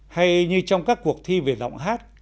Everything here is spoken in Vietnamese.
hay như trong các cuộc thi về giọng hát